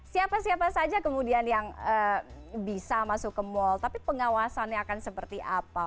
siapa siapa saja kemudian yang bisa masuk ke mal tapi pengawasannya akan seperti apa